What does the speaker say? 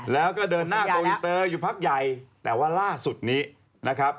แล้วก็เดินหน้าโกอินเตอร์อยู่พักใหญ่แต่ว่าล่าสุดนี้นะครับ